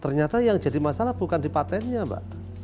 ternyata yang jadi masalah bukan di patentnya mbak